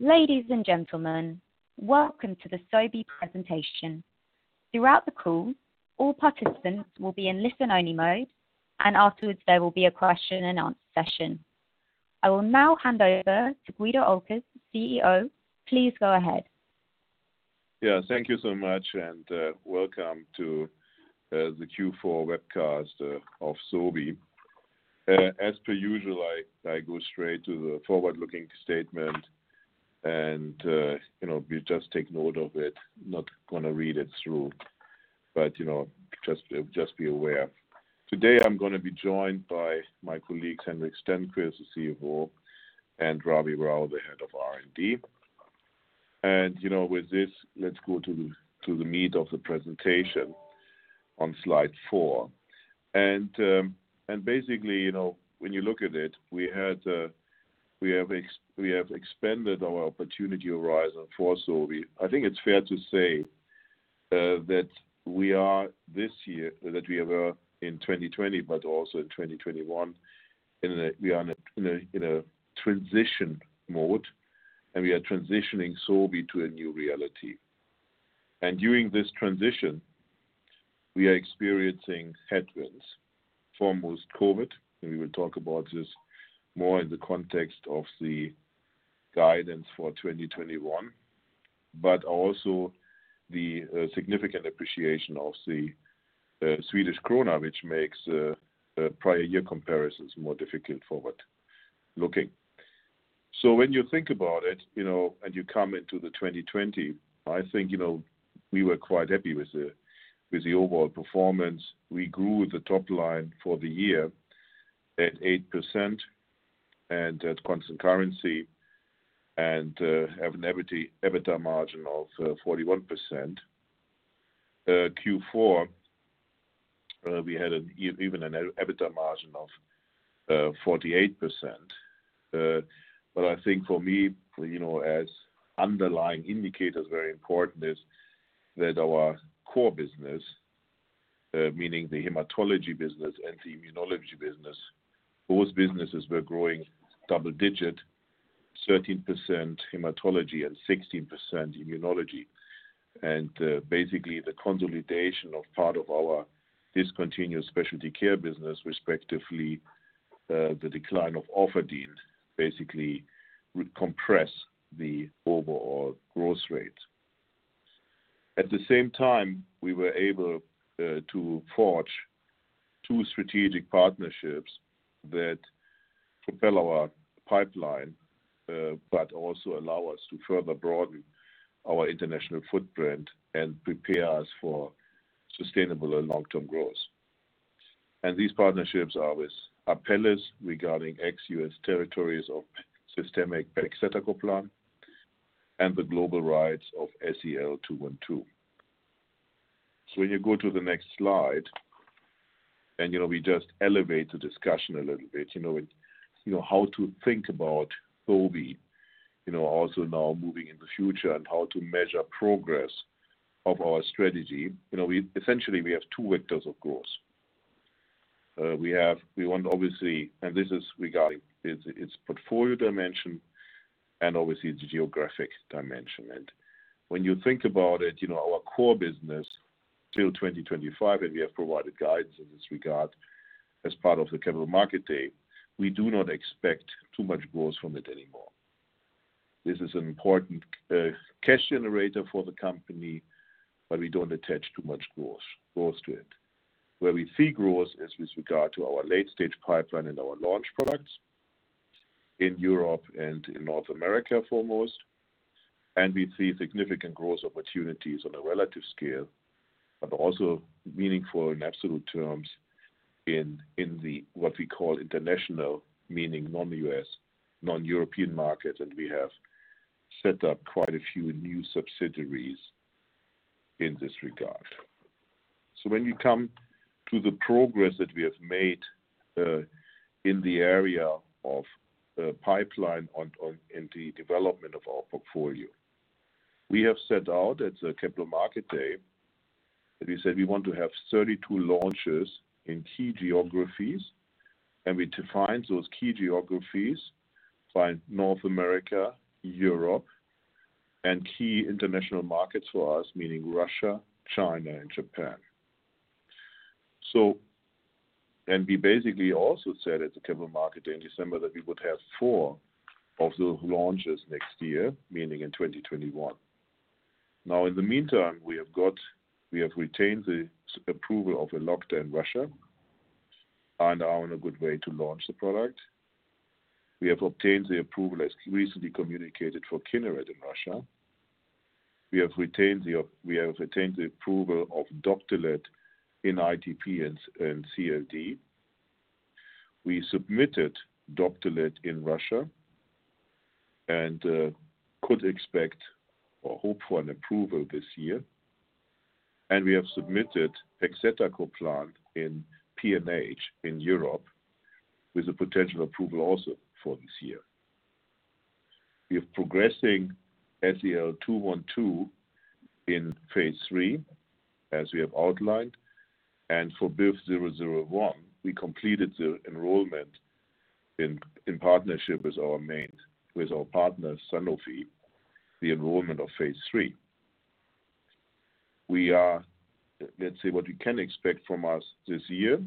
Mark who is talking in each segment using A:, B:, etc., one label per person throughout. A: Ladies and gentlemen, welcome to the Sobi presentation. Throughout the call, all participants will be in listen-only mode, and afterwards there will be a question and answer session. I will now hand over to Guido Oelkers, CEO. Please go ahead.
B: Yeah. Thank you so much and welcome to the Q4 webcast of Sobi. As per usual, I go straight to the forward-looking statement and you just take note of it, not going to read it through, but just be aware. Today I'm going to be joined by my colleagues, Henrik Stenqvist, the CFO, and Ravi Rao, the Head of R&D. With this, let's go to the meat of the presentation on slide four. Basically, when you look at it, we have expanded our opportunity horizon for Sobi. I think it's fair to say that we are, this year, that we were in 2020, but also in 2021, in a transition mode, and we are transitioning Sobi to a new reality. During this transition, we are experiencing headwinds. Foremost COVID, we will talk about this more in the context of the guidance for 2021, but also the significant appreciation of the Swedish krona, which makes prior year comparisons more difficult forward-looking. When you think about it, you come into the 2020, I think, we were quite happy with the overall performance. We grew the top line for the year at 8% and at constant currency and have an EBITDA margin of 41%. Q4, we had even an EBITDA margin of 48%. I think for me, as underlying indicators, very important is that our core business, meaning the hematology business and the immunology business, both businesses were growing double digit, 13% hematology and 16% immunology. Basically, the consolidation of part of our discontinued specialty care business, respectively the decline of Orfadin, basically would compress the overall growth rate. At the same time, we were able to forge two strategic partnerships that propel our pipeline but also allow us to further broaden our international footprint and prepare us for sustainable and long-term growth. These partnerships are with Apellis regarding ex-U.S. territories of systemic pegcetacoplan and the global rights of SEL-212. When you go to the next slide, and we just elevate the discussion a little bit. How to think about Sobi also now moving in the future and how to measure progress of our strategy. Essentially, we have two vectors of growth. We want obviously and this is regarding its portfolio dimension and obviously its geographic dimension. When you think about it, our core business till 2025, and we have provided guidance in this regard as part of the Capital Market Day, we do not expect too much growth from it anymore. This is an important cash generator for the company, but we don't attach too much growth to it. Where we see growth is with regard to our late-stage pipeline and our launch products in Europe and in North America, foremost. We see significant growth opportunities on a relative scale, but also meaningful in absolute terms in the what we call international, meaning non-U.S., non-European markets, and we have set up quite a few new subsidiaries in this regard. When you come to the progress that we have made in the area of pipeline and the development of our portfolio. We have set out at the Capital Market Day that we said we want to have 32 launches in key geographies, and we define those key geographies by North America, Europe, and key international markets for us, meaning Russia, China, and Japan. We basically also said at the Capital Market Day in December that we would have four of those launches next year, meaning in 2021. Now, in the meantime, we have retained the approval of Elocta in Russia and are in a good way to launch the product. We have obtained the approval, as recently communicated, for Kineret in Russia. We have retained the approval of Doptelet in ITP and CLD. We submitted Doptelet in Russia and could expect or hope for an approval this year. We have submitted pegcetacoplan in PNH in Europe with a potential approval also for this year. We are progressing SEL-212 in phase III, as we have outlined, and for BIVV001, we completed the enrollment in partnership with our partners, Sanofi, the enrollment of phase III. Let's say what you can expect from us this year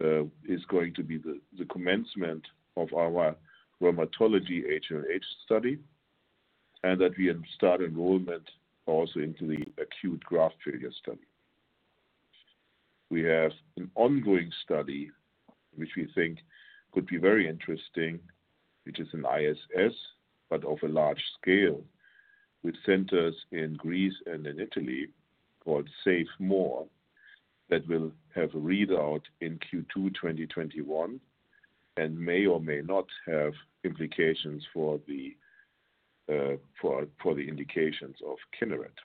B: is going to be the commencement of our rheumatology HLH study, and that we start enrollment also into the acute graft-failure study. We have an ongoing study which we think could be very interesting, which is an ISS, but of a large scale, with centers in Greece and in Italy called SAVE-MORE, that will have a readout in Q2 2021 and may or may not have implications for the indications of Kineret.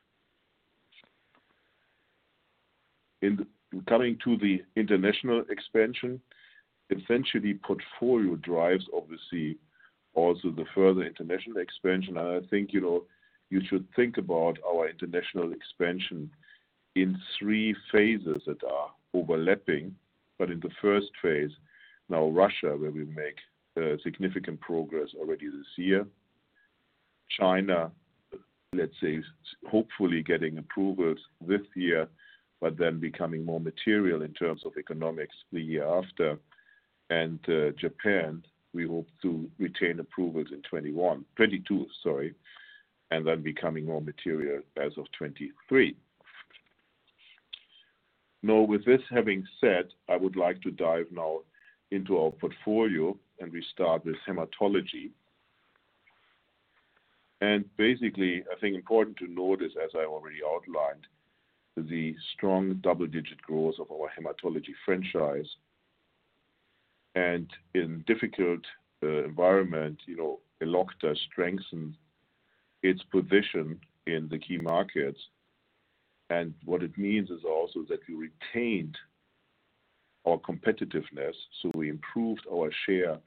B: In coming to the international expansion, essentially portfolio drives obviously also the further international expansion. I think you should think about our international expansion in three phases that are overlapping. In the first phase, now Russia, where we make significant progress already this year. China, let's say, hopefully getting approvals this year, then becoming more material in terms of economics the year after. Japan, we hope to retain approvals in 2022. Becoming more material as of 2023. With this having said, I would like to dive now into our portfolio, and we start with hematology. I think important to note is, as I already outlined, the strong double-digit growth of our hematology franchise. In difficult environment, Elocta strengthened its position in the key markets. What it means is also that we retained our competitiveness. We improved our share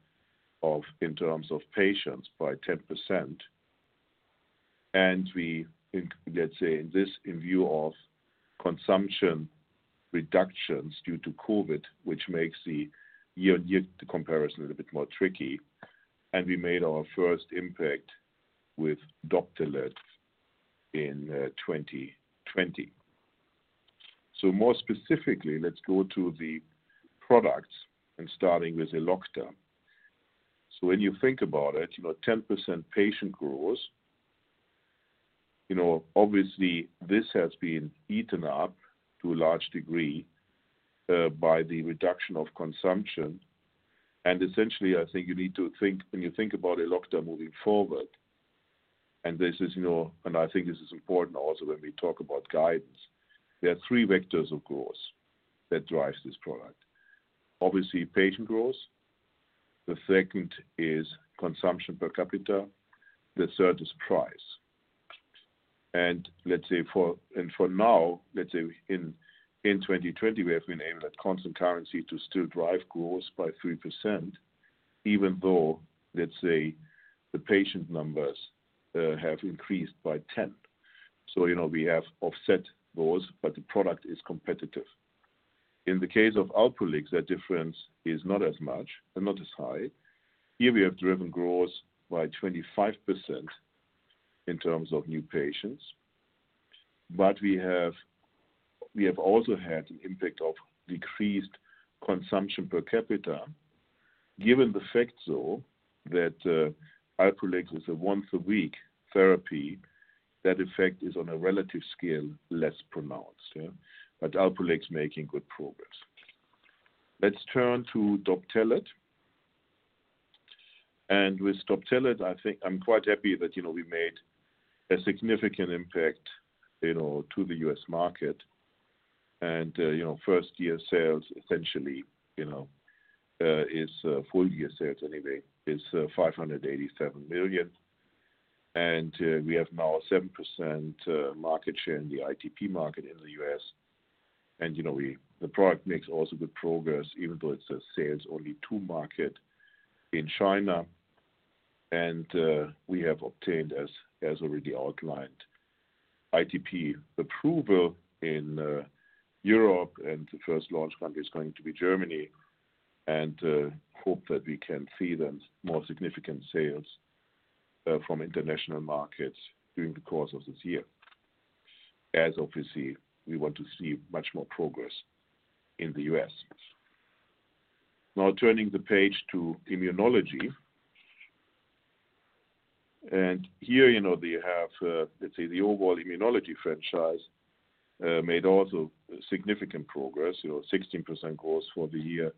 B: in terms of patients by 10%. We, let's say this in view of consumption reductions due to COVID, which makes the year-on-year comparison a little bit more tricky. We made our first impact with Doptelet in 2020. More specifically, let's go to the products and starting with Elocta. When you think about it, 10% patient growth. Obviously, this has been eaten up to a large degree by the reduction of consumption. Essentially, I think you need to think, when you think about Elocta moving forward, and I think this is important also when we talk about guidance. There are three vectors, of course, that drives this product. Obviously, patient growth. The second is consumption per capita. The third is price. For now, let's say in 2020, we have been able at constant currency to still drive growth by 3%, even though, let's say the patient numbers have increased by 10. We have offset those, but the product is competitive. In the case of Alprolix, that difference is not as much and not as high. Here we have driven growth by 25% in terms of new patients. We have also had an impact of decreased consumption per capita. Given the fact, though, that Alprolix is a once-a-week therapy, that effect is on a relative scale, less pronounced. Alprolix making good progress. Let's turn to Doptelet. With Doptelet, I think I'm quite happy that we made a significant impact to the U.S. market. First-year sales, essentially, its full-year sales anyway, is 587 million. We have now 7% market share in the ITP market in the U.S. The product makes also good progress, even though it's a sales-only-to market in China. We have obtained, as already outlined, ITP approval in Europe, and the first launch country is going to be Germany. We hope that we can see then more significant sales from international markets during the course of this year. As obviously, we want to see much more progress in the U.S. Now turning the page to immunology. Here, they have, let's say, the overall immunology franchise made also significant progress, 16% growth for the year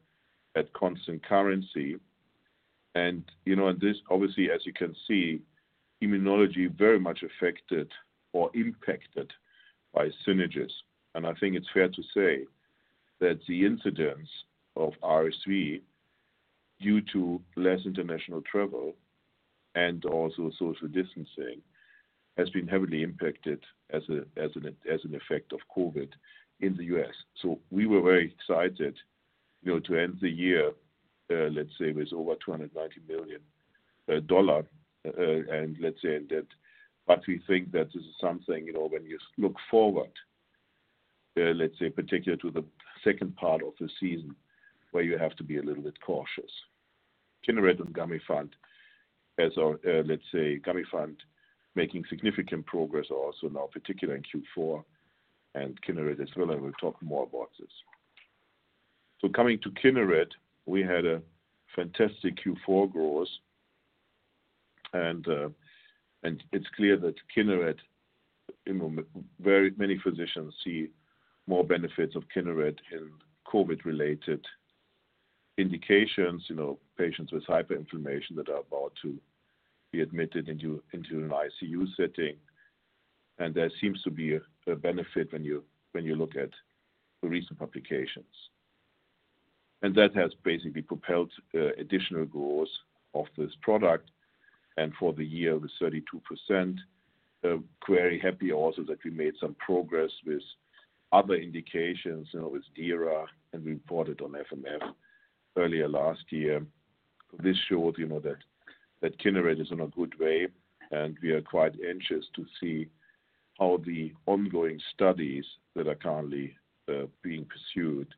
B: at constant currency. This obviously, as you can see, immunology very much affected or impacted by Synagis. I think it's fair to say that the incidence of RSV, due to less international travel and also social distancing, has been heavily impacted as an effect of COVID in the U.S. We were very excited to end the year, let's say, with over $290 million. We think that this is something, when you look forward, let's say particular to the second part of the season, where you have to be a little bit cautious. Kineret and Gamifant, let's say Gamifant making significant progress also now, particular in Q4, and Kineret as well, and we'll talk more about this. Coming to Kineret, we had a fantastic Q4 growth. It's clear that Kineret, very many physicians see more benefits of Kineret in COVID-related indications. Patients with hyperinflammation that are about to be admitted into an ICU setting. There seems to be a benefit when you look at the recent publications. That has basically propelled additional growth of this product. For the year, the 32%, very happy also that we made some progress with other indications, with DIRA, as we reported on FMF earlier last year. This showed that Kineret is in a good way. We are quite anxious to see how the ongoing studies that are currently being pursued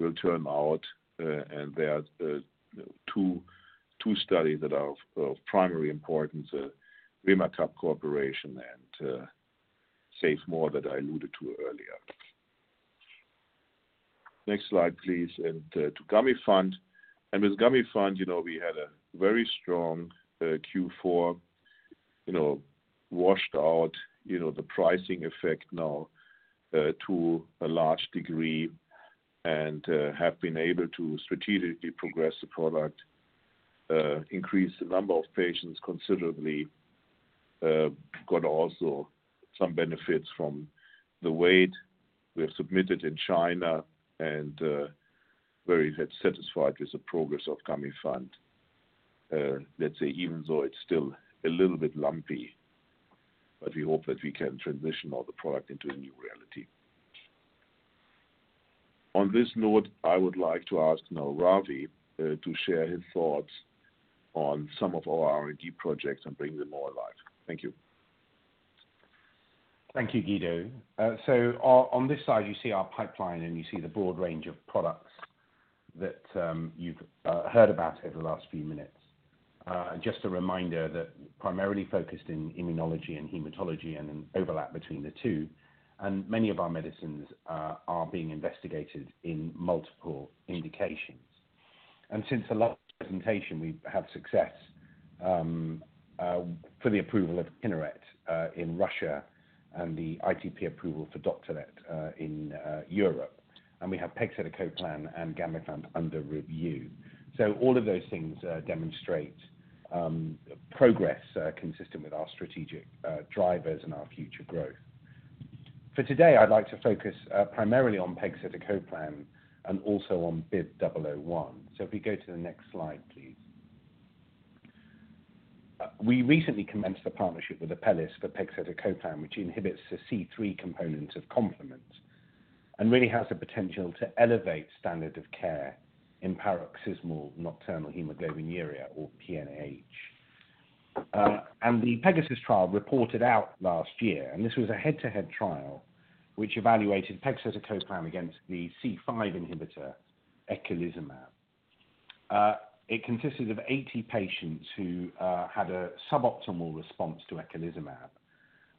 B: will turn out. There are two studies that are of primary importance, cooperation and SAVE-MORE that I alluded to earlier. Next slide, please. To Gamifant. With Gamifant, we had a very strong Q4. Washed out the pricing effect now to a large degree and have been able to strategically progress the product, increase the number of patients considerably, got also some benefits from the wait. We have submitted in China and very satisfied with the progress of Gamifant. Let's say even though it's still a little bit lumpy, but we hope that we can transition all the product into a new reality. On this note, I would like to ask now Ravi to share his thoughts on some of our R&D projects and bring them more alive. Thank you.
C: Thank you, Guido. On this side, you see our pipeline and you see the broad range of products that you've heard about over the last few minutes. Just a reminder that primarily focused in immunology and hematology and an overlap between the two, and many of our medicines are being investigated in multiple indications. Since the last presentation, we've had success for the approval of Kineret in Russia and the ITP approval for Doptelet in Europe. We have pegcetacoplan and Gamifant under review. All of those things demonstrate progress consistent with our strategic drivers and our future growth. For today, I'd like to focus primarily on pegcetacoplan and also on BIVV001. If we go to the next slide, please. We recently commenced a partnership with Apellis for pegcetacoplan, which inhibits the C3 component of complement and really has the potential to elevate standard of care in paroxysmal nocturnal hemoglobinuria or PNH. The PEGASUS trial reported out last year, and this was a head-to-head trial, which evaluated pegcetacoplan against the C5 inhibitor eculizumab. It consisted of 80 patients who had a suboptimal response to eculizumab,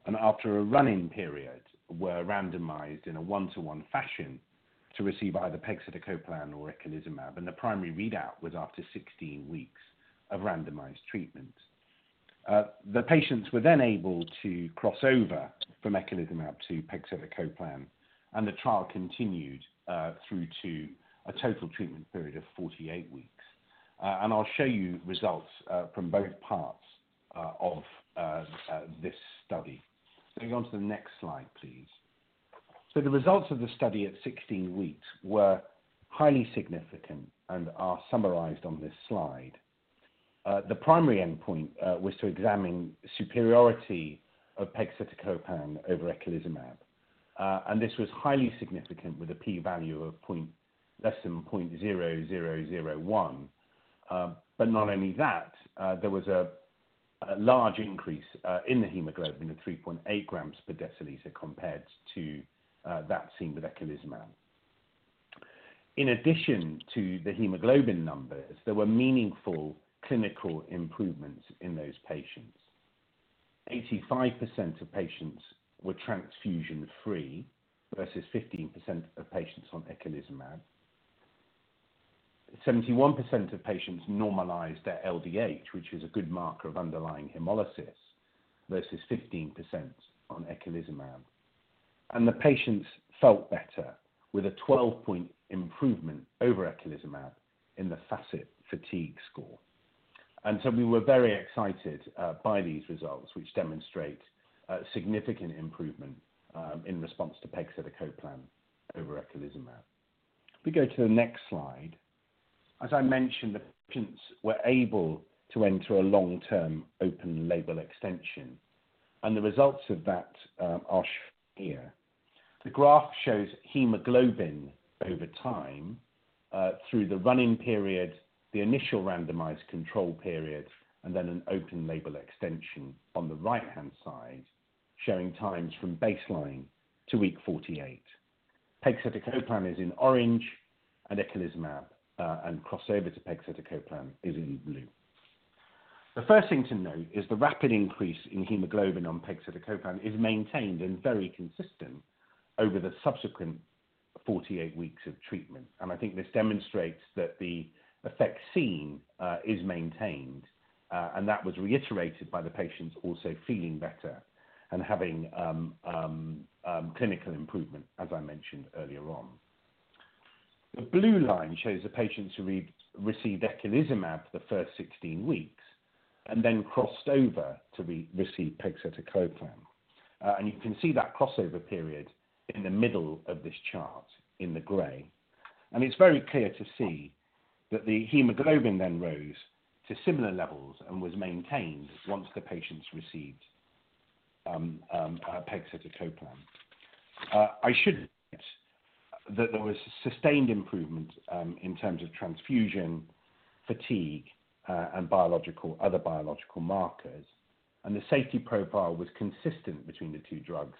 C: and after a run-in period, were randomized in a one-to-one fashion to receive either pegcetacoplan or eculizumab. The primary readout was after 16 weeks of randomized treatment. The patients were then able to cross over from eculizumab to pegcetacoplan, and the trial continued through to a total treatment period of 48 weeks. I'll show you results from both parts of this study. Moving on to the next slide, please. The results of the study at 16 weeks were highly significant and are summarized on this slide. The primary endpoint was to examine superiority of pegcetacoplan over eculizumab. This was highly significant with a P value of less than 0.0001. Not only that, there was a large increase in the hemoglobin of 3.8 grams per deciliter compared to that seen with eculizumab. In addition to the hemoglobin numbers, there were meaningful clinical improvements in those patients. 85% of patients were transfusion-free versus 15% of patients on eculizumab. 71% of patients normalized their LDH, which is a good marker of underlying hemolysis, versus 15% on eculizumab. The patients felt better with a 12-point improvement over eculizumab in the FACIT-Fatigue score. We were very excited by these results, which demonstrate a significant improvement in response to pegcetacoplan over eculizumab. If we go to the next slide. As I mentioned, the patients were able to enter a long-term open label extension, and the results of that are here. The graph shows hemoglobin over time through the running period, the initial randomized control period, and then an open label extension on the right-hand side, showing times from baseline to week 48. Pegcetacoplan is in orange, and eculizumab and crossover to pegcetacoplan is in blue. The first thing to note is the rapid increase in hemoglobin on pegcetacoplan is maintained and very consistent over the subsequent 48 weeks of treatment. I think this demonstrates that the effect seen is maintained, and that was reiterated by the patients also feeling better and having clinical improvement, as I mentioned earlier on. The blue line shows the patients who received eculizumab for the first 16 weeks and then crossed over to receive pegcetacoplan. You can see that crossover period in the middle of this chart in the gray. It's very clear to see that the hemoglobin then rose to similar levels and was maintained once the patients received pegcetacoplan. I should note that there was sustained improvement in terms of transfusion, fatigue, and other biological markers, and the safety profile was consistent between the two drugs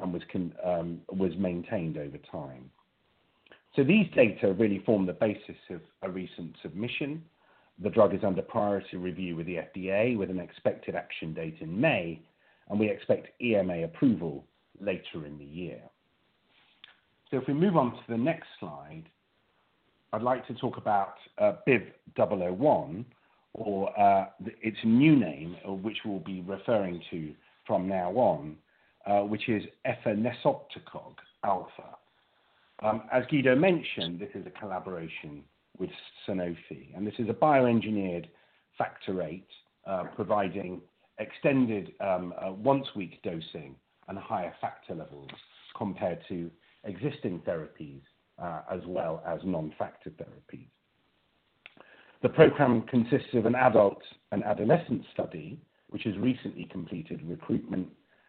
C: and was maintained over time. These data really form the basis of a recent submission. The drug is under priority review with the FDA with an expected action date in May, and we expect EMA approval later in the year. If we move on to the next slide, I'd like to talk about BIVV001, or its new name, which we'll be referring to from now on, which is efanesoctocog alfa. As Guido mentioned, this is a collaboration with Sanofi, this is a bioengineered factor VIII providing extended once-week dosing and higher factor levels compared to existing therapies as well as non-factor therapies. The program consists of an adult and adolescent study, which has recently completed recruitment,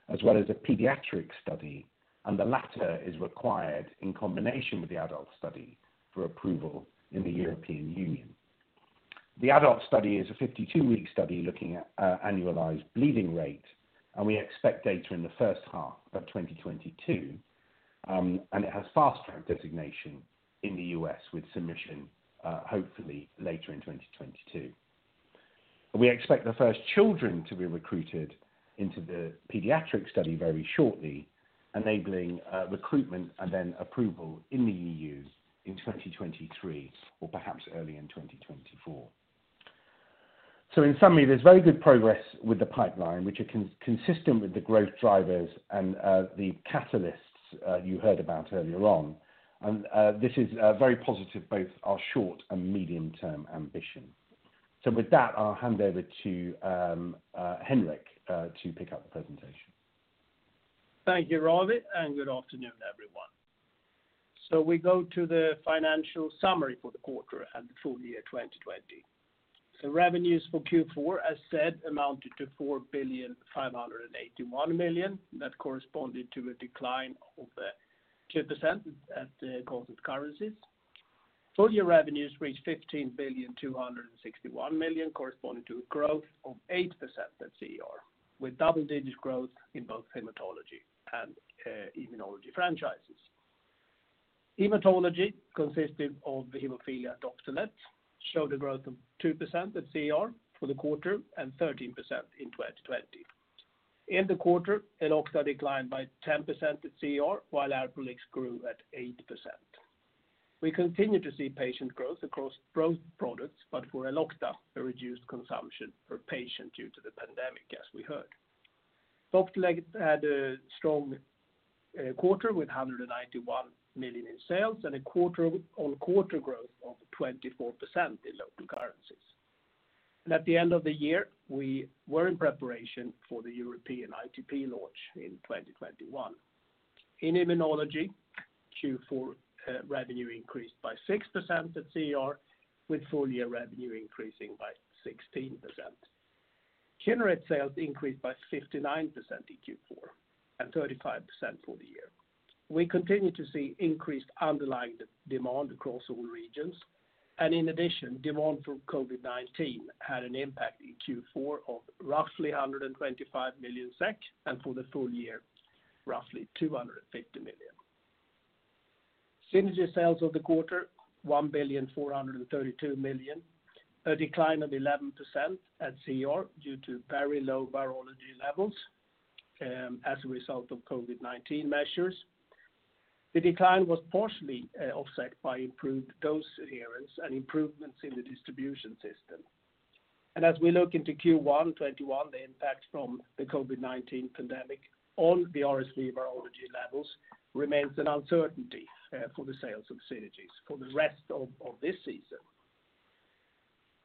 C: as well as a pediatric study, the latter is required in combination with the adult study for approval in the European Union. The adult study is a 52-week study looking at annualized bleeding rate, we expect data in the first half of 2022. It has fast-track designation in the U.S. with submission hopefully later in 2022. We expect the first children to be recruited into the pediatric study very shortly, enabling recruitment and then approval in the EU in 2023 or perhaps early in 2024. In summary, there's very good progress with the pipeline, which are consistent with the growth drivers and the catalysts you heard about earlier on. This is very positive, both our short and medium-term ambition. With that, I'll hand over to Henrik to pick up the presentation.
D: Thank you, Ravi, and good afternoon, everyone. We go to the financial summary for the quarter and the full year 2020. Revenues for Q4, as said, amounted to 4,581,000,000. That corresponded to a decline of 2% at the constant currencies. Full-year revenues reached 15,261,000,000, corresponding to a growth of 8% at CER, with double-digit growth in both hematology and immunology franchises. Hematology, consisting of the hemophilia Doptelet, showed a growth of 2% at CER for the quarter and 13% in 2020. In the quarter, Elocta declined by 10% at CER, while Alprolix grew at 8%. We continue to see patient growth across both products, but for Elocta, a reduced consumption per patient due to the pandemic, as we heard. Doptelet had a strong quarter with 191 million in sales and a quarter-on-quarter growth of 24% in local currencies. At the end of the year, we were in preparation for the European ITP launch in 2021. In immunology, Q4 revenue increased by 6% at CER, with full-year revenue increasing by 16%. Kineret sales increased by 59% in Q4 and 35% for the year. We continue to see increased underlying demand across all regions, in addition, demand from COVID-19 had an impact in Q4 of roughly 125 million SEK, and for the full year, roughly 250 million. Synagis sales of the quarter, 1,432 million, a decline of 11% at CER due to very low virology levels as a result of COVID-19 measures. The decline was partially offset by improved dose adherence and improvements in the distribution system. As we look into Q1 2021, the impact from the COVID-19 pandemic on the RSV virology levels remains an uncertainty for the sales of Synagis for the rest of this season.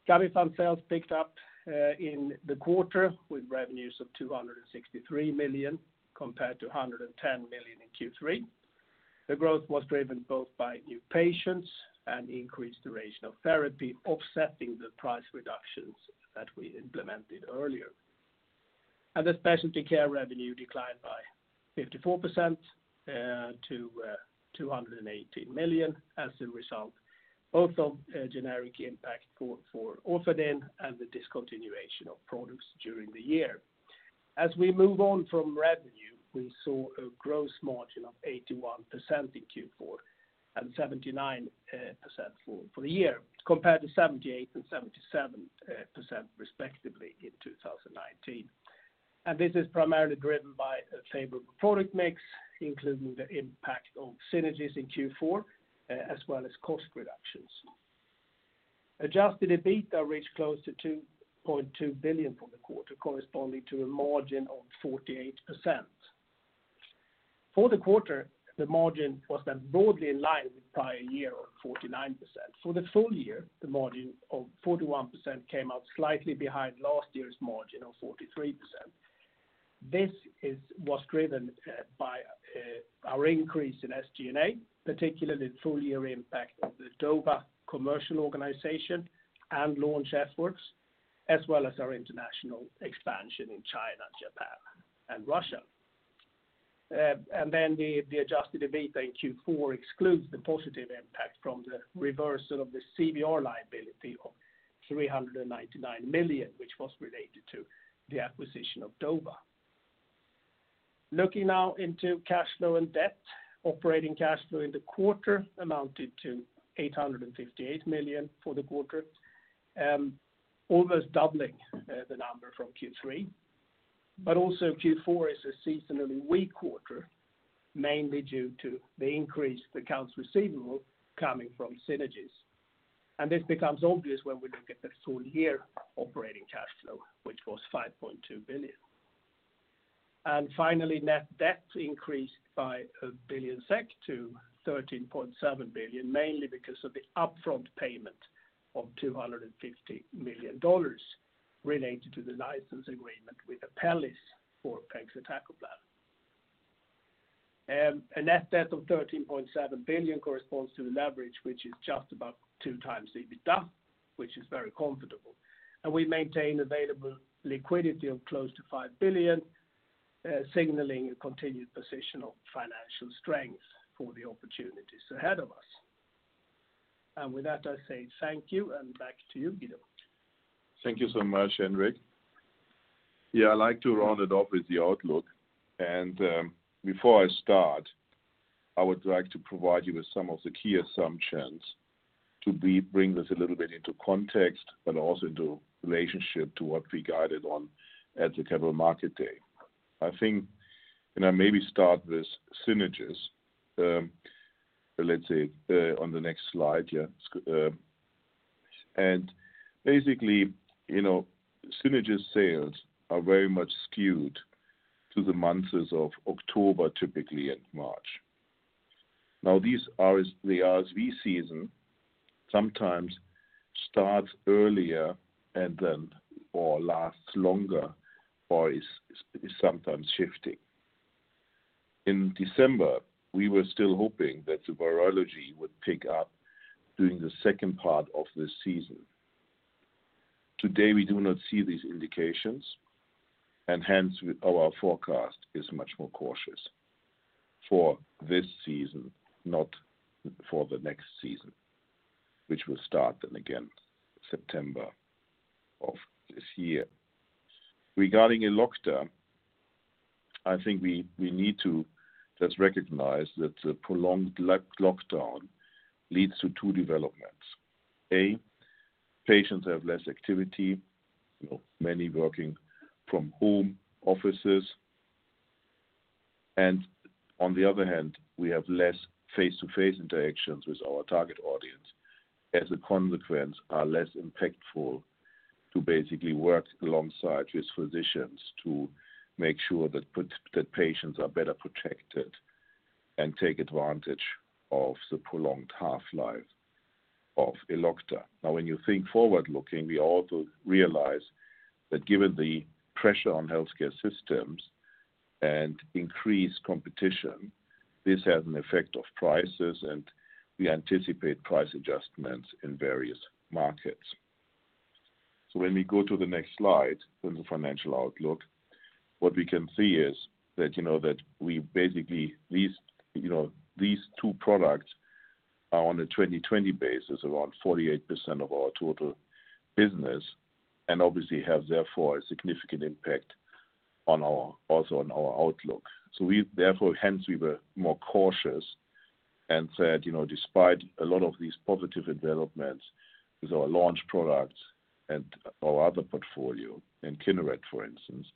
D: Gamifant sales picked up in the quarter with revenues of 263 million compared to 110 million in Q3. The growth was driven both by new patients and increased duration of therapy offsetting the price reductions that we implemented earlier. The specialty care revenue declined by 54% to 218 million as a result, both of generic impact for Orfadin and the discontinuation of products during the year. As we move on from revenue, we saw a gross margin of 81% in Q4 and 79% for the year, compared to 78% and 77% respectively in 2019. This is primarily driven by a favorable product mix, including the impact of Synagis in Q4, as well as cost reductions. Adjusted EBITDA reached close to 2.2 billion for the quarter, corresponding to a margin of 48%. For the quarter, the margin was broadly in line with prior year of 49%. For the full year, the margin of 41% came out slightly behind last year's margin of 43%. This was driven by our increase in SG&A, particularly the full-year impact of the Dova commercial organization and launch efforts, as well as our international expansion in China, Japan, and Russia. The adjusted EBITDA in Q4 excludes the positive impact from the reversal of the CVR liability of 399 million, which was related to the acquisition of Dova. Looking now into cash flow and debt. Operating cash flow in the quarter amounted to 858 million for the quarter, almost doubling the number from Q3. Q4 is a seasonally weak quarter, mainly due to the increased accounts receivable coming from synergies. This becomes obvious when we look at the full year operating cash flow, which was 5.2 billion. Finally, net debt increased by 1 billion SEK to 13.7 billion, mainly because of the upfront payment of $250 million related to the license agreement with Apellis for pegcetacoplan. A net debt of 13.7 billion corresponds to a leverage which is just about 2x the EBITDA, which is very comfortable. We maintain available liquidity of close to 5 billion, signaling a continued position of financial strength for the opportunities ahead of us. With that, I say thank you, and back to you, Guido.
B: Thank you so much, Henrik. Yeah, I'd like to round it off with the outlook. Before I start, I would like to provide you with some of the key assumptions to bring this a little bit into context, but also into relationship to what we guided on at the Capital Market Day. I think maybe start with synergies. Let's say on the next slide, yeah. Basically, synergies sales are very much skewed to the months of October, typically, and March. Now these are the RSV season sometimes starts earlier and then or lasts longer or is sometimes shifting. In December, we were still hoping that the virology would pick up during the second part of the season. Today, we do not see these indications, and hence our forecast is much more cautious for this season, not for the next season, which will start in, again, September of this year. Regarding Elocta, I think we need to just recognize that the prolonged lockdown leads to two developments. A, patients have less activity, many working from home offices. On the other hand, we have less face-to-face interactions with our target audience. As a consequence, we are less impactful to basically work alongside with physicians to make sure that patients are better protected and take advantage of the prolonged half-life of Elocta. Now, when you think forward-looking, we also realize that given the pressure on healthcare systems and increased competition, this has an effect of prices, and we anticipate price adjustments in various markets. When we go to the next slide, on the financial outlook, what we can see is that basically these two products are on a 2020 basis, around 48% of our total business, and obviously have therefore a significant impact also on our outlook. Therefore, hence we were more cautious and said, despite a lot of these positive developments with our launch products and our other portfolio, in Kineret, for instance,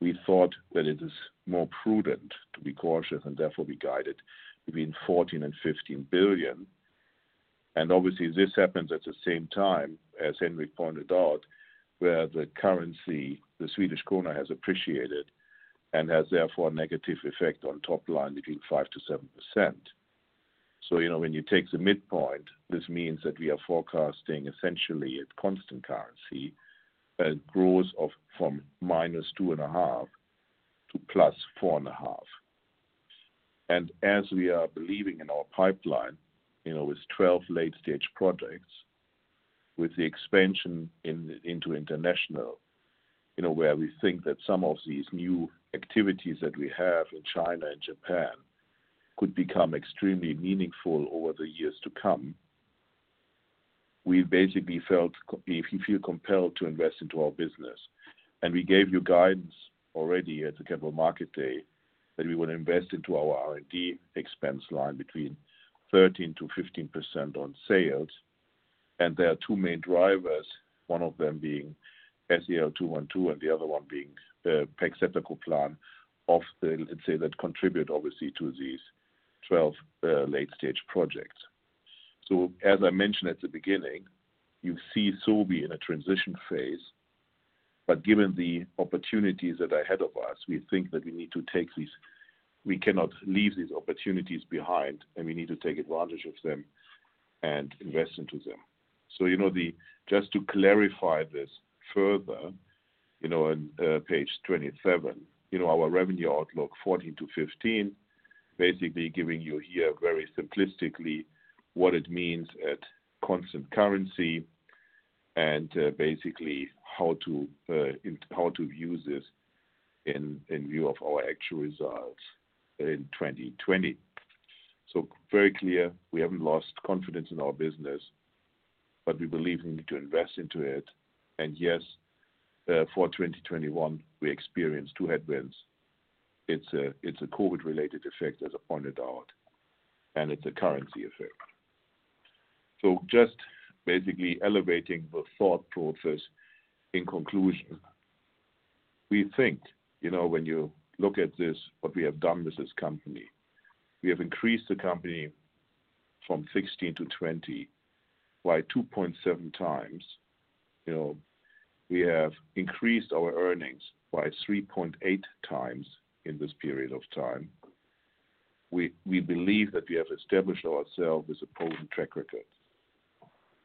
B: we thought that it is more prudent to be cautious and therefore be guided between 14 billion and 15 billion. Obviously this happens at the same time, as Henrik pointed out, where the currency, the Swedish krona, has appreciated and has therefore a negative effect on top line between 5%-7%. When you take the midpoint, this means that we are forecasting essentially at constant currency a growth from -2.5% to +4.5%. As we are believing in our pipeline, with 12 late-stage projects, with the expansion into international, where we think that some of these new activities that we have in China and Japan could become extremely meaningful over the years to come. We basically felt if you feel compelled to invest into our business, we gave you guidance already at the Capital Market Day that we would invest into our R&D expense line between 13%-15% on sales. There are two main drivers, one of them being SEL-212 and the other one being pegcetacoplan, let's say, that contribute obviously to these 12 late-stage projects. As I mentioned at the beginning, you see Sobi in a transition phase. Given the opportunities that are ahead of us, we think that we cannot leave these opportunities behind, and we need to take advantage of them and invest into them. Just to clarify this further, on page 27, our revenue outlook 14%-15%, basically giving you here very simplistically what it means at constant currency and basically how to use this in view of our actual results in 2020. Very clear we haven't lost confidence in our business, but we believe we need to invest into it. Yes, for 2021, we experienced two headwinds. It's a COVID-related effect, as pointed out, and it's a currency effect. Just basically elevating the thought process. In conclusion, we think when you look at this, what we have done with this company, we have increased the company from 2016 to 2020 by 2.7x. We have increased our earnings by 3.8x in this period of time. We believe that we have established ourselves with a potent track record.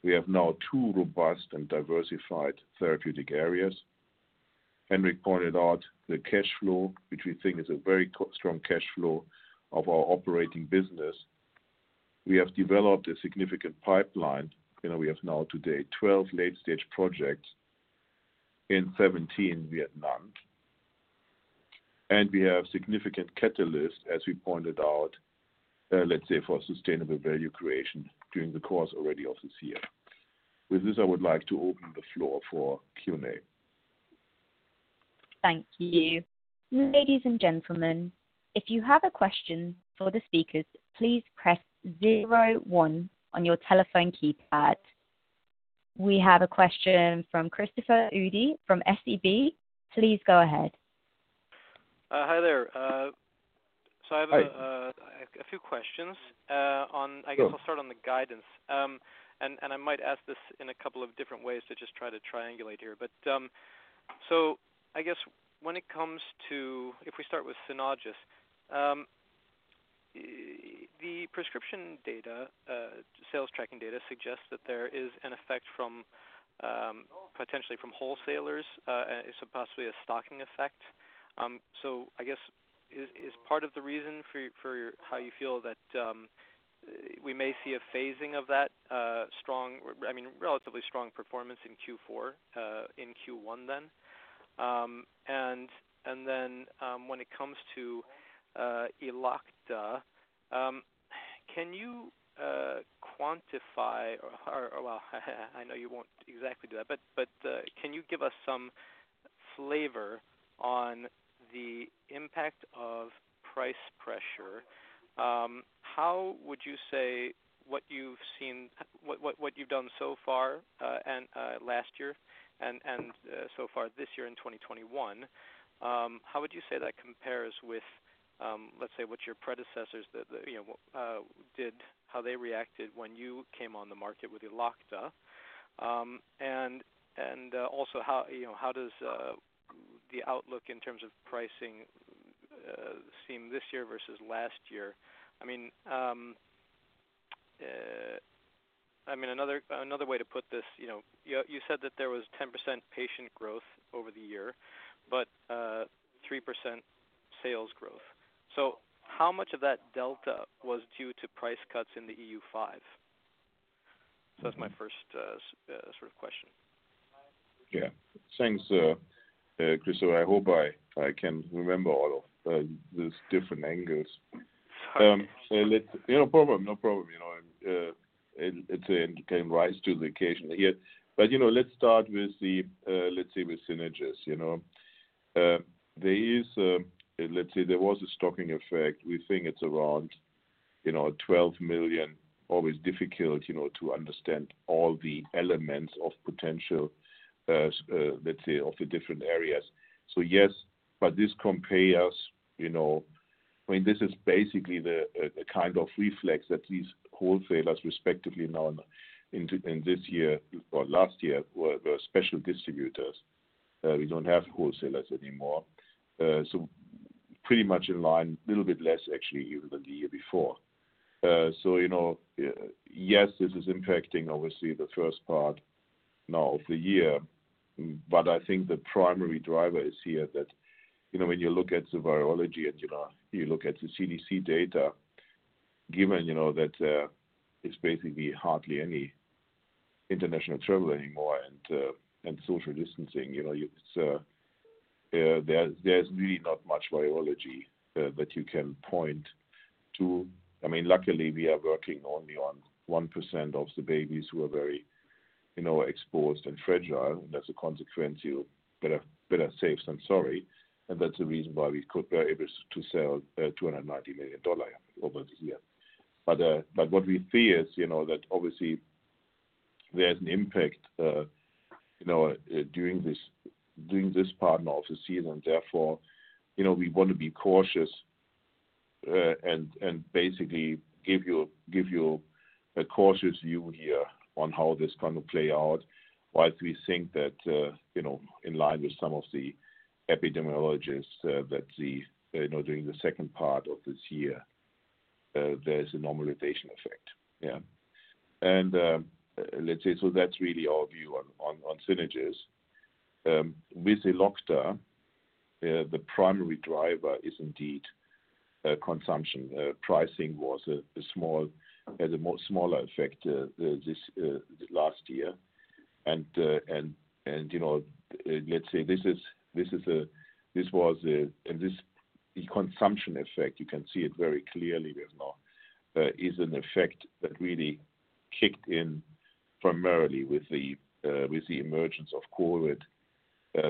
B: We have now two robust and diversified therapeutic areas. Henrik pointed out the cash flow, which we think is a very strong cash flow of our operating business. We have developed a significant pipeline. We have now today 12 late-stage projects. In 2017, we had none. We have significant catalysts, as we pointed out, let's say, for sustainable value creation during the course already of this year. With this, I would like to open the floor for Q&A.
A: Thank you. Ladies and gentlemen, if you have a question for the speakers, please press zero one on your telephone keypad. We have a question from Christopher Uhde from SEB. Please go ahead.
E: Hi there.
B: Hi.
E: I have a few questions.
B: Sure.
E: I guess I'll start on the guidance. I might ask this in a couple of different ways to just try to triangulate here. I guess if we start with Synagis, the prescription data, sales tracking data suggests that there is an effect potentially from wholesalers, and so possibly a stocking effect. I guess is part of the reason for how you feel that we may see a phasing of that relatively strong performance in Q4, in Q1 then? When it comes to Elocta, can you quantify or, well, I know you won't exactly do that, but can you give us some flavor on the impact of price pressure? How would you say what you've done so far and last year and so far this year in 2021, how would you say that compares with, let's say, what your predecessors did, how they reacted when you came on the market with Elocta? Also, how does the outlook in terms of pricing seem this year versus last year? Another way to put this, you said that there was 10% patient growth over the year, but 3% sales growth. How much of that delta was due to price cuts in the EU5? That's my first sort of question.
B: Yeah. Thanks, Christopher. I hope I can remember all of these different angles. No problem. It came rise to the occasion. Let's start with Synagis. There was a stocking effect. We think it's around 12 million. Always difficult to understand all the elements of potential of the different areas. This compares, this is basically the kind of reflex that these wholesalers respectively now in this year or last year were special distributors. We don't have wholesalers anymore. Pretty much in line, little bit less actually even than the year before. This is impacting, obviously, the first part now of the year. I think the primary driver is here that, when you look at the virology and you look at the CDC data, given that there is basically hardly any international travel anymore and social distancing, there's really not much virology that you can point to. Luckily, we are working only on 1% of the babies who are very exposed and fragile, and as a consequence, you're better safe than sorry. That's the reason why we were able to sell SEK 290 million over this year. What we fear is that obviously there's an impact during this part now of the season. Therefore, we want to be cautious and basically give you a cautious view here on how this is going to play out. Why do we think that in line with some of the epidemiologists that during the second part of this year, there is a normalization effect? Yeah. Let's say, that's really our view on synergies. With Elocta, the primary driver is indeed consumption. Pricing had a smaller effect this last year. Let's say, this consumption effect, you can see it very clearly right now, is an effect that really kicked in primarily with the emergence of COVID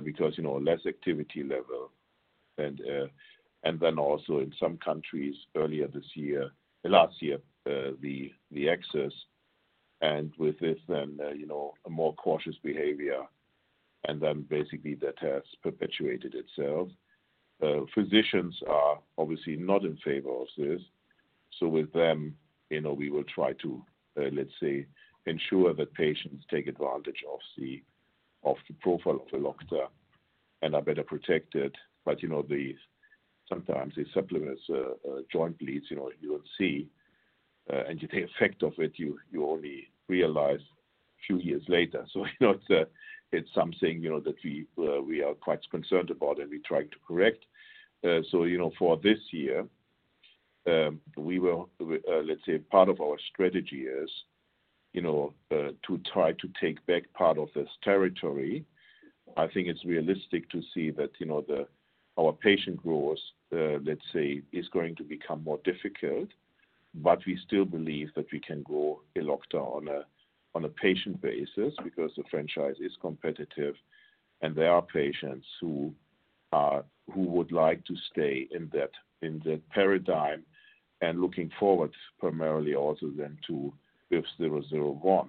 B: because less activity level. Also in some countries earlier this year, last year the access and with this a more cautious behavior basically that has perpetuated itself. Physicians are obviously not in favor of this. With them we will try to, let's say, ensure that patients take advantage of the profile of the Elocta and are better protected. Sometimes these joint bleeds you would see and the effect of it you only realize a few years later. It's something that we are quite concerned about and we try to correct. For this year, let's say part of our strategy is to try to take back part of this territory. I think it's realistic to see that our patient growth, let's say, is going to become more difficult, but we still believe that we can grow Elocta on a patient basis because the franchise is competitive and there are patients who would like to stay in that paradigm and looking forward primarily also then to BIVV001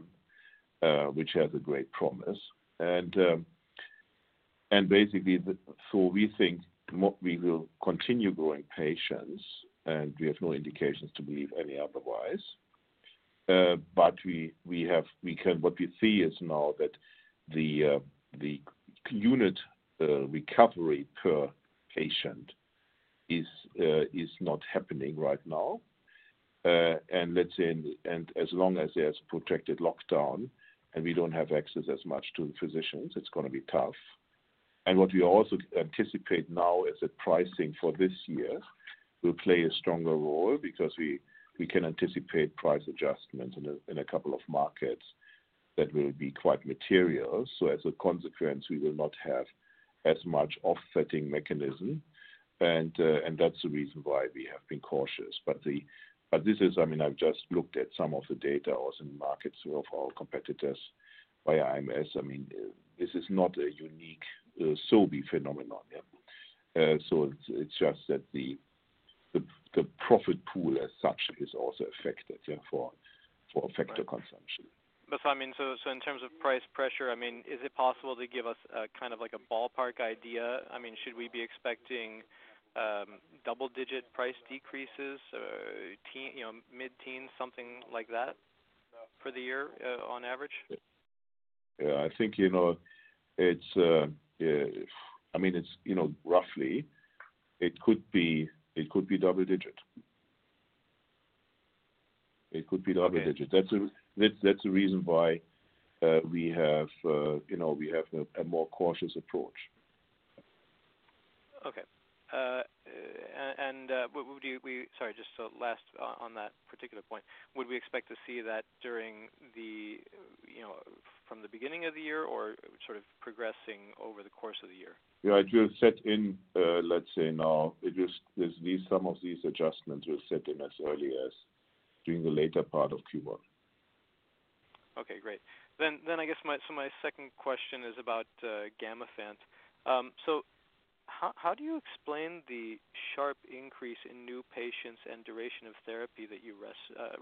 B: which has a great promise. Basically, we think we will continue growing patients and we have no indications to believe any otherwise. What we see is now that the unit recovery per patient is not happening right now. Let's say, and as long as there's protracted lockdown and we don't have access as much to the physicians, it's going to be tough. What we also anticipate now is that pricing for this year will play a stronger role because we can anticipate price adjustments in a couple of markets that will be quite material. As a consequence, we will not have as much offsetting mechanism and that's the reason why we have been cautious. I've just looked at some of the data also in markets of our competitors via IMS. This is not a unique Sobi phenomenon. It's just that the profit pool as such is also affected therefore for effective consumption.
E: In terms of price pressure, is it possible to give us a ballpark idea? Should we be expecting double-digit price decreases, mid-teens, something like that for the year on average?
B: Yeah. Roughly, it could be double digit. It could be double digit. That's the reason why we have a more cautious approach.
E: Okay. Sorry, just last on that particular point. Would we expect to see that from the beginning of the year or sort of progressing over the course of the year?
B: Yeah. It will set in, let's say now some of these adjustments will set in as early as during the later part of Q1.
E: Okay, great. My second question is about Gamifant. How do you explain the sharp increase in new patients and duration of therapy that you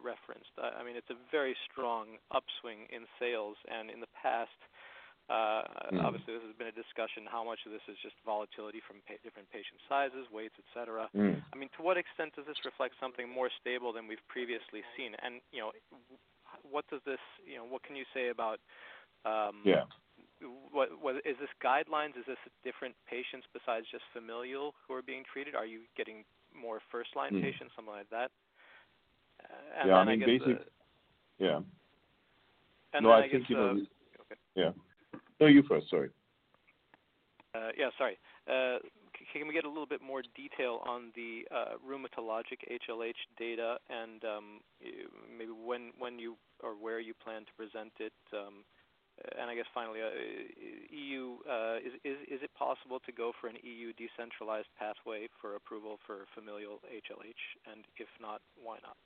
E: referenced? It's a very strong upswing in sales and in the past obviously there has been a discussion how much of this is just volatility from different patient sizes, weights, et cetera. To what extent does this reflect something more stable than we've previously seen? What can you say about.
B: Yeah.
E: Is this guidelines? Is this different patients besides just familial who are being treated? Are you getting more first-line patients, something like that?
B: Yeah.
E: And then I guess the-
B: No, I think you.
E: Okay.
B: Yeah. No, you first. Sorry.
E: Yeah, sorry. Can we get a little bit more detail on the rheumatologic HLH data and maybe when or where you plan to present it? I guess finally, is it possible to go for an EU decentralized pathway for approval for familial HLH? If not, why not?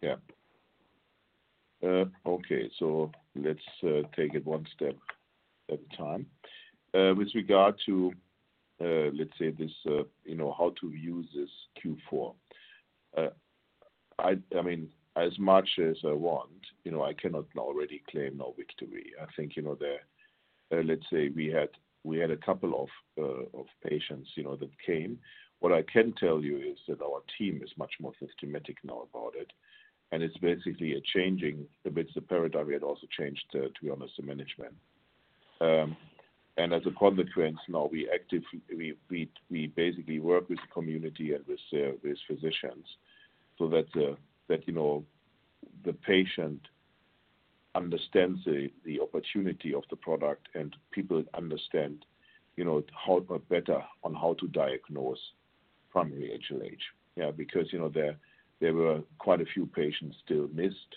B: Yeah. Okay. Let's take it one step at a time. With regard to how to use this Q4. As much as I want, I cannot already claim no victory. I think, let's say we had a couple of patients that came. What I can tell you is that our team is much more systematic now about it, and it's basically a changing a bit the paradigm. It also changed, to be honest, the management. As a consequence now, we basically work with community and with physicians so that the patient understands the opportunity of the product and people understand better on how to diagnose primary HLH. Yeah. Because there were quite a few patients still missed,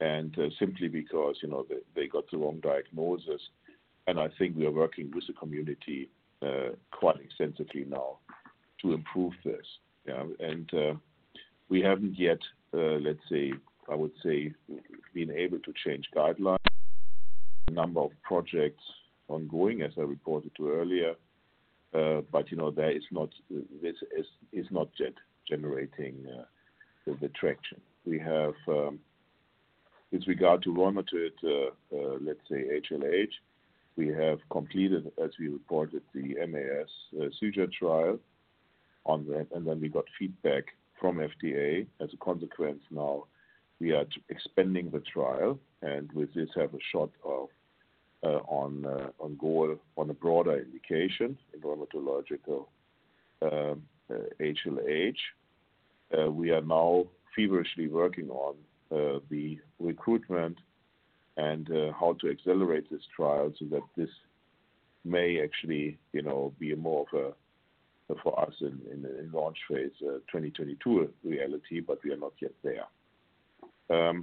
B: and simply because they got the wrong diagnosis. I think we are working with the community quite extensively now to improve this. Yeah. We haven't yet, I would say, been able to change guidelines. A number of projects ongoing, as I reported to earlier. This is not yet generating the traction. With regard to rheumatoid HLH, we have completed, as we reported, the MAS trial on that, and then we got feedback from FDA. As a consequence now, we are expanding the trial and with this have a shot on goal on a broader indication in rheumatological HLH. We are now feverishly working on the recruitment and how to accelerate this trial so that this may actually be more of a, for us in launch phase 2022 reality, but we are not yet there.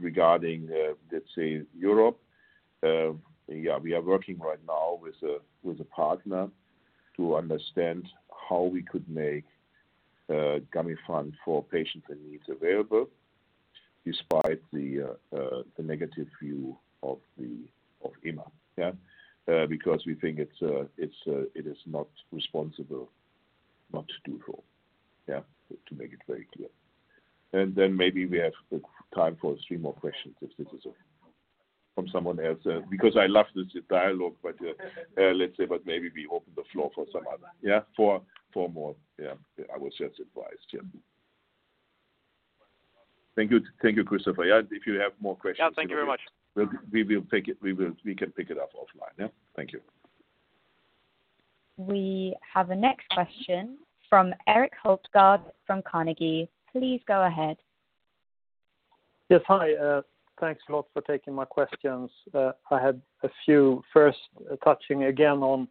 B: Regarding, let's say Europe, we are working right now with a partner to understand how we could make Gamifant for patient needs available despite the negative view of EMA. Yeah. Because we think it is not responsible not to do so. Yeah. To make it very clear. Then maybe we have the time for three more questions if this is okay from someone else. I love this dialogue, let's say maybe we open the floor for some other. Yeah, for more. Yeah. I would say it's advised, yeah. Thank you, Christopher. If you have more questions-
E: Yeah. Thank you very much.
B: we can pick it up offline. Yeah. Thank you.
A: We have a next question from Erik Hultgård from Carnegie. Please go ahead
F: Yes. Hi. Thanks a lot for taking my questions. I had a few. First, touching again on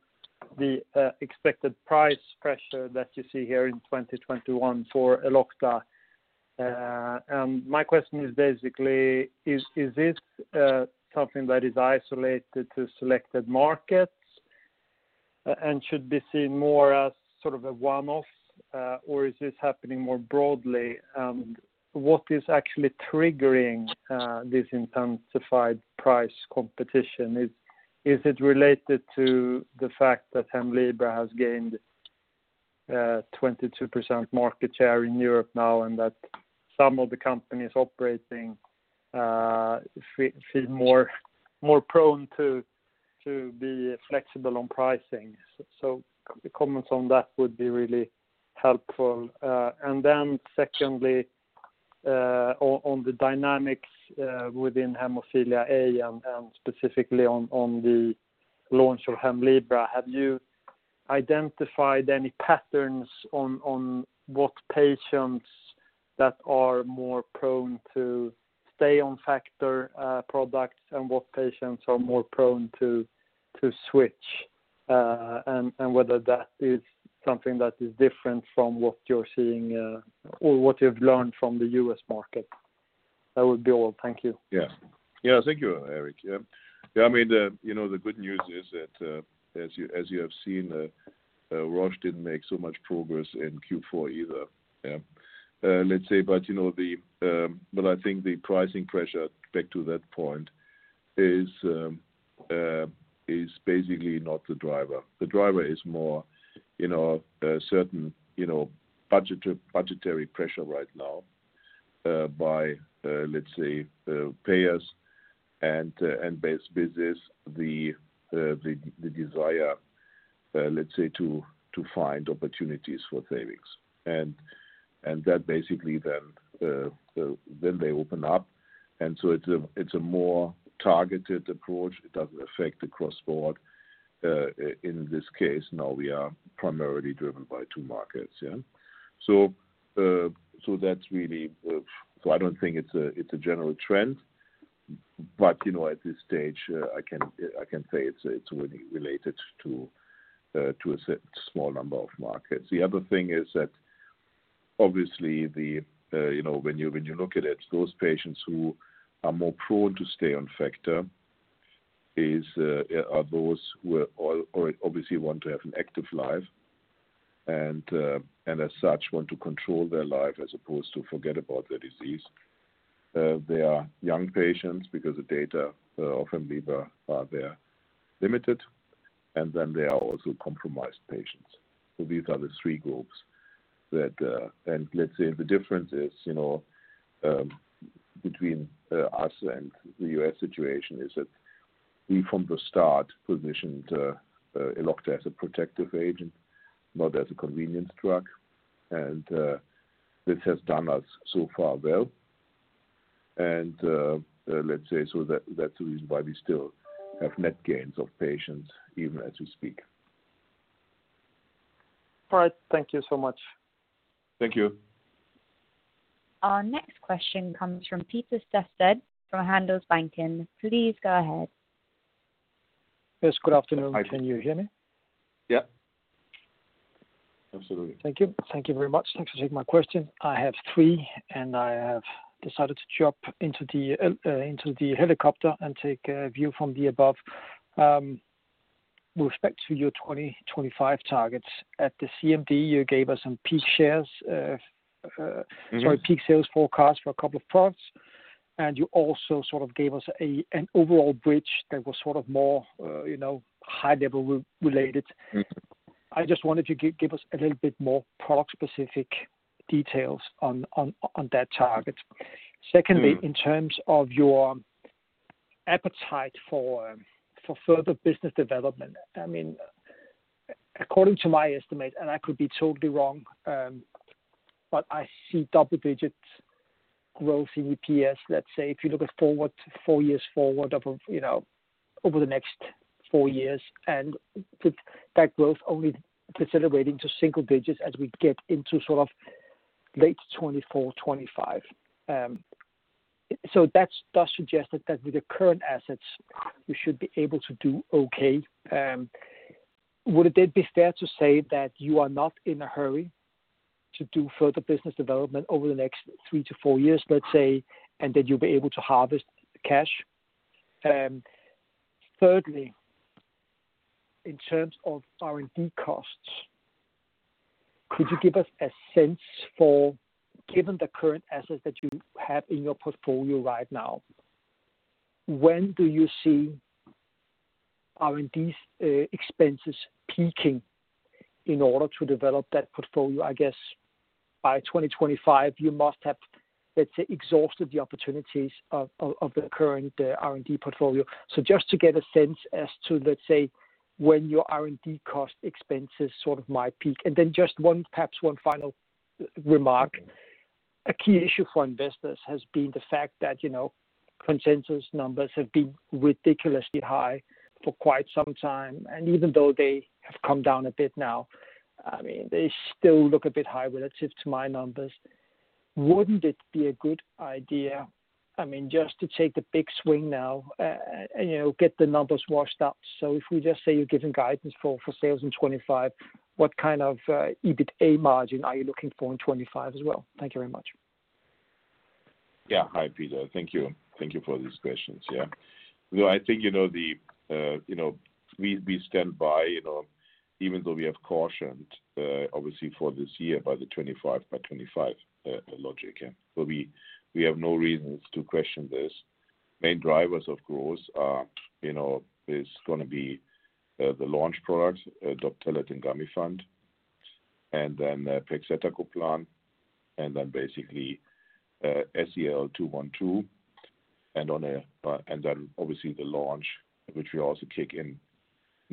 F: the expected price pressure that you see here in 2021 for Elocta. My question is basically, is this something that is isolated to selected markets and should be seen more as sort of a one-off, or is this happening more broadly? What is actually triggering this intensified price competition? Is it related to the fact that HEMLIBRA has gained 22% market share in Europe now and that some of the companies operating feel more prone to be flexible on pricing? The comments on that would be really helpful. Secondly, on the dynamics within hemophilia A and specifically on the launch of HEMLIBRA, have you identified any patterns on what patients that are more prone to stay on factor products and what patients are more prone to switch? Whether that is something that is different from what you're seeing or what you've learned from the U.S. market. That would be all. Thank you.
B: Thank you, Erik. The good news is that as you have seen, Roche didn't make so much progress in Q4 either. I think the pricing pressure, back to that point, is basically not the driver. The driver is more a certain budgetary pressure right now by payers and base business, the desire, let's say, to find opportunities for savings. That basically then they open up, it's a more targeted approach. It doesn't affect across board. In this case, now we are primarily driven by two markets. I don't think it's a general trend. At this stage, I can say it's really related to a small number of markets. The other thing is that obviously when you look at it, those patients who are more prone to stay on factor are those who obviously want to have an active life and as such want to control their life as opposed to forget about their disease. They are young patients because the data of HEMLIBRA are very limited, and then they are also compromised patients. These are the three groups. Let's say the difference between us and the U.S. situation is that we from the start positioned Elocta as a protective agent, not as a convenience drug. Let's say, so that's the reason why we still have net gains of patients even as we speak.
F: All right. Thank you so much.
B: Thank you.
A: Our next question comes from Peter Engstedt from Handelsbanken. Please go ahead.
G: Yes, good afternoon.
B: Hi.
G: Can you hear me?
B: Yeah. Absolutely.
G: Thank you. Thank you very much. Thanks for taking my question. I have three, and I have decided to jump into the helicopter and take a view from the above. With respect to your 2025 targets, at the CMD, you gave us some peak sales forecast for a couple of products, and you also sort of gave us an overall bridge that was sort of more high level related. I just wondered if you could give us a little bit more product-specific details on that target. Secondly, in terms of your appetite for further business development, according to my estimate, and I could be totally wrong, but I see double-digit growth in EPS, let's say, if you look four years forward over the next four years, and that growth only decelerating to single digits as we get into sort of late 2024, 2025. That does suggest that with the current assets, we should be able to do okay. Would it then be fair to say that you are not in a hurry to do further business development over the next three to four years, let's say, and that you'll be able to harvest cash? Thirdly, in terms of R&D costs, could you give us a sense for, given the current assets that you have in your portfolio right now, when do you see R&D's expenses peaking in order to develop that portfolio? I guess by 2025, you must have, let's say, exhausted the opportunities of the current R&D portfolio. Just to get a sense as to, let's say, when your R&D cost expenses sort of might peak. Then just perhaps one final remark. A key issue for investors has been the fact that consensus numbers have been ridiculously high for quite some time. Even though they have come down a bit now, they still look a bit high relative to my numbers. Wouldn't it be a good idea just to take the big swing now and get the numbers washed up? If we just say you're giving guidance for sales in 2025, what kind of EBITDA margin are you looking for in 2025 as well? Thank you very much.
B: Hi, Peter. Thank you. Thank you for these questions. I think we stand by even though we have cautioned, obviously for this year, by the 25/25 logic. We have no reasons to question this. Main drivers of growth is going to be the launch products, Doptelet and Gamifant, and then pegcetacoplan, and then basically SEL-212. Obviously the launch, which will also kick in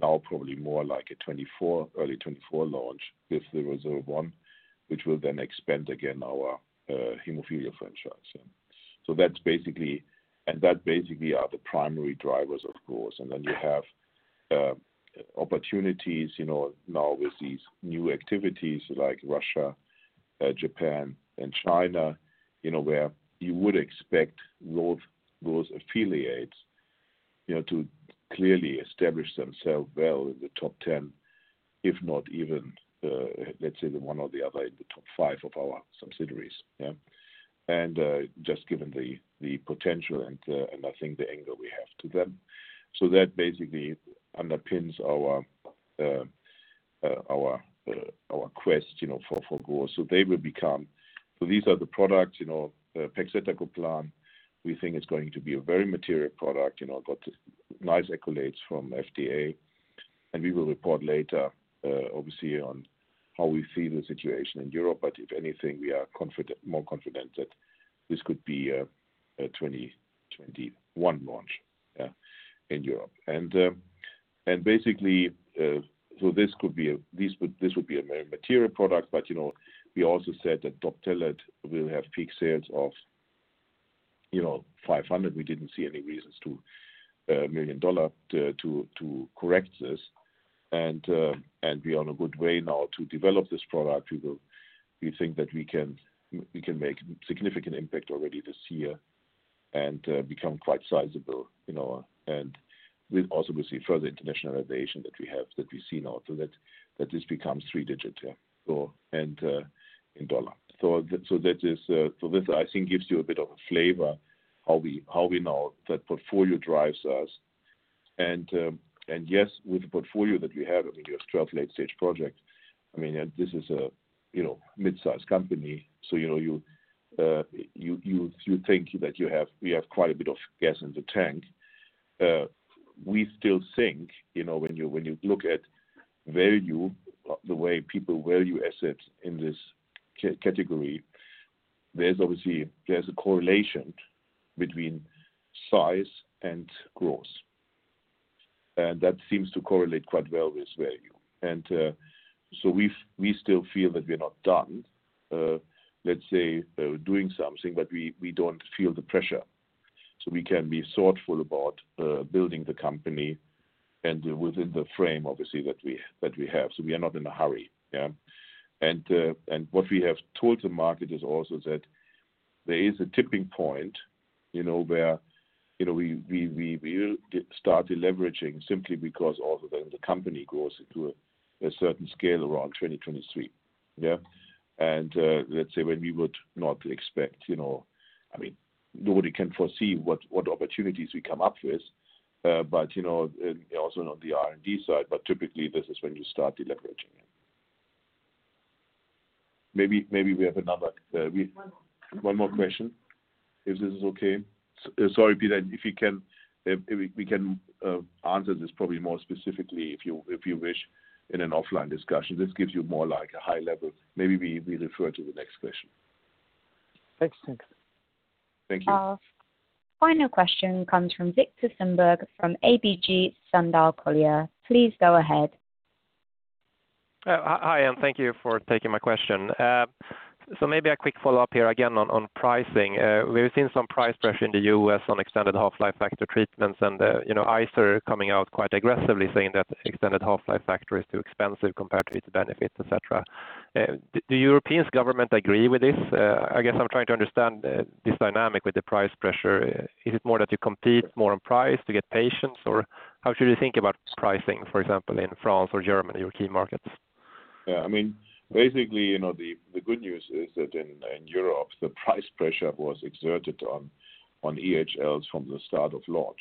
B: now probably more like early 2024 launch with the BIVV001, which will then expand again our hemophilia franchise. That basically are the primary drivers, of course. Then you have opportunities now with these new activities like Russia, Japan, and China, where you would expect those affiliates to clearly establish themselves well in the top 10, if not even, let's say the one or the other in the top five of our subsidiaries. Just given the potential and I think the angle we have to them. That basically underpins our quest for growth. These are the products, pegcetacoplan we think is going to be a very material product, got nice accolades from FDA. We will report later, obviously, on how we see the situation in Europe. If anything, we are more confident that this could be a 2021 launch in Europe. Basically, this would be a material product, but we also said that Doptelet will have peak sales of 500. We didn't see any reasons to a million to correct this. We are on a good way now to develop this product. We think that we can make significant impact already this year and become quite sizable. We also will see further internationalization that we have, that we see now. That this becomes three-digit in dollar. This, I think, gives you a bit of a flavor how we know that portfolio drives us. Yes, with the portfolio that we have, I mean, we have 12 late-stage projects. I mean, this is a mid-size company. You think that we have quite a bit of gas in the tank. We still think, when you look at value, the way people value assets in this category, there's a correlation between size and growth. That seems to correlate quite well with value. We still feel that we're not done, let's say, doing something, but we don't feel the pressure. We can be thoughtful about building the company and within the frame, obviously, that we have. We are not in a hurry. Yeah. What we have told the market is also that there is a tipping point, where we will start deleveraging simply because also then the company grows into a certain scale around 2023. Yeah. Let's say when we would not expect, I mean, nobody can foresee what opportunities we come up with. Also on the R&D side, but typically this is when you start deleveraging. Maybe we have another.
A: One more.
B: One more question, if this is okay. Sorry, Peter, we can answer this probably more specifically if you wish in an offline discussion. This gives you more like a high level. Maybe we refer to the next question.
G: Thanks.
B: Thank you.
A: Our final question comes from Viktor Sundberg from ABG Sundal Collier. Please go ahead.
H: Hi, thank you for taking my question. Maybe a quick follow-up here again on pricing. We've seen some price pressure in the U.S. on extended half-life factor treatments and ICER coming out quite aggressively saying that extended half-life factor is too expensive compared to its benefits, et cetera. Do Europeans government agree with this? I guess I'm trying to understand this dynamic with the price pressure. Is it more that you compete more on price to get patients? How should we think about pricing, for example, in France or Germany, your key markets?
B: Yeah. I mean, basically, the good news is that in Europe, the price pressure was exerted on EHLs from the start of launch.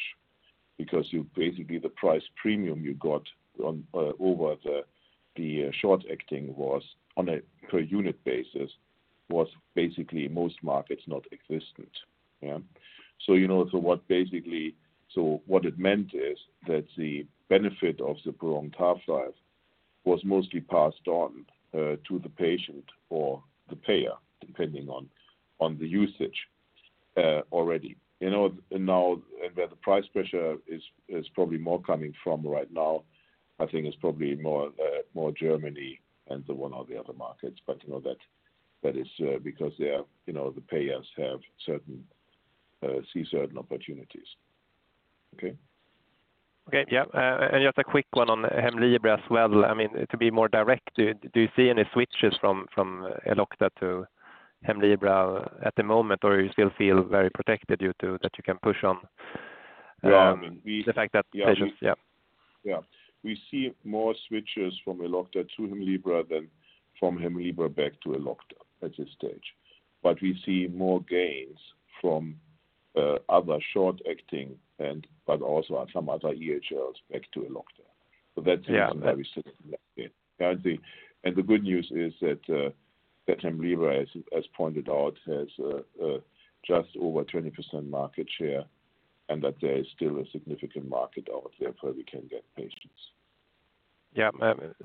B: You basically, the price premium you got over the short-acting was on a per unit basis, was basically most markets non-existent. Yeah. What it meant is that the benefit of the prolonged half-life was mostly passed on to the patient or the payer, depending on the usage already. Where the price pressure is probably more coming from right now, I think it's probably more Germany than the one or the other markets. That is because the payers see certain opportunities. Okay.
H: Okay. Yeah. Just a quick one on HEMLIBRA as well. I mean, to be more direct, do you see any switches from Elocta to HEMLIBRA at the moment, or you still feel very protected that you can push on?
B: Yeah.
H: The fact that patients, yeah.
B: Yeah. We see more switches from Elocta to HEMLIBRA than from HEMLIBRA back to Elocta at this stage. We see more gains from other short-acting but also some other EHLs back to Elocta.
H: Yeah
B: something that we see. The good news is that HEMLIBRA, as pointed out, has just over 20% market share, and that there is still a significant market out there where we can get patients.
H: Yeah.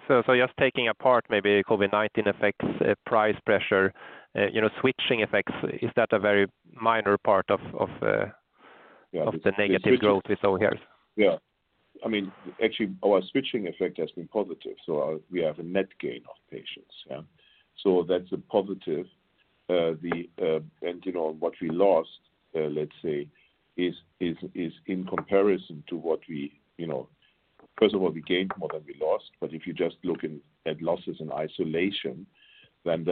H: Just taking apart maybe COVID-19 effects, price pressure, switching effects, is that a very minor part of the negative growth we saw here?
B: I mean, actually our switching effect has been positive, so we have a net gain of patients. That's a positive. First of all, we gained more than we lost. If you just look at losses in isolation, then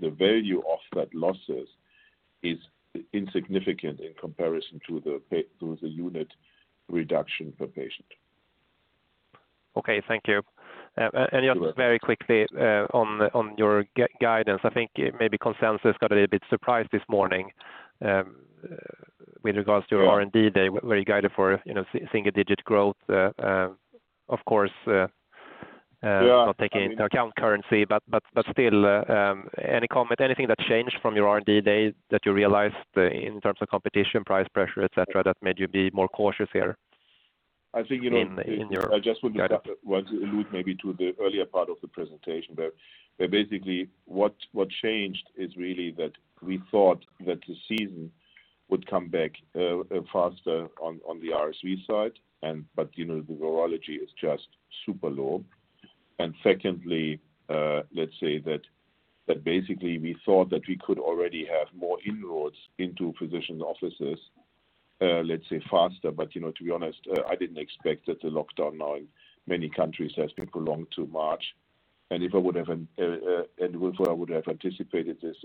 B: the value of that losses is insignificant in comparison to the unit reduction per patient.
H: Okay. Thank you.
B: You're welcome.
H: Just very quickly on your guidance, I think maybe consensus got a little bit surprised this morning with regards to your R&D day where you guided for single-digit growth.
B: Yeah.
H: Of course, not taking into account currency, but still, any comment, anything that changed from your R&D Day that you realized in terms of competition, price pressure, et cetera, that made you be more cautious here in your guidance?
B: I just would want to allude maybe to the earlier part of the presentation where basically what changed is really that we thought that the season would come back faster on the RSV side, but the virology is just super low. Secondly, let's say that basically we thought that we could already have more inroads into physician offices let's say faster. To be honest, I didn't expect that the lockdown now in many countries has been prolonged to March. If I would have anticipated this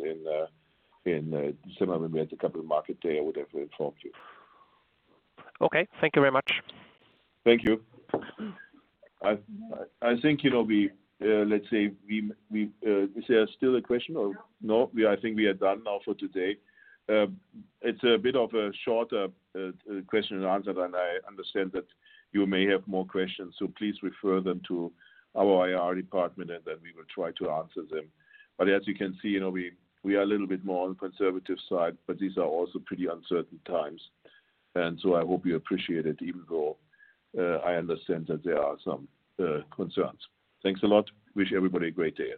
B: in December when we had the Capital Market Day, I would have informed you.
H: Okay. Thank you very much.
B: Thank you. I think, let's say, is there still a question?
A: No.
B: I think we are done now for today. It's a bit of a shorter question and answer, and I understand that you may have more questions, so please refer them to our IR department, and then we will try to answer them. As you can see, we are a little bit more on the conservative side, but these are also pretty uncertain times, and so I hope you appreciate it even though I understand that there are some concerns. Thanks a lot. Wish everybody a great day.